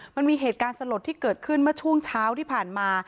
มันมีเหตุการณ์สลดที่เกิดขึ้นเมื่อช่วงเช้าที่ผ่านมา